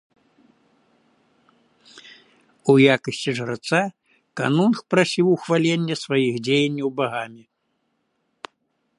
У якасці жраца, конунг прасіў ухвалення сваіх дзеянняў багамі.